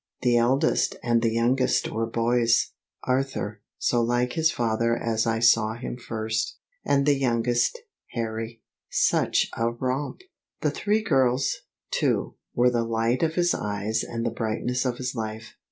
The eldest and the youngest were boys, Arthur, so like his father as I saw him first, and the youngest, Harry, such a romp! The three girls, too, were the light of his eyes and the brightness of his life.